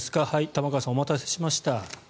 玉川さん、お待たせしました。